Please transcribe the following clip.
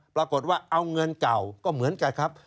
ปรากฏว่าเอาเงินเก่าก็เหมือนกันครับ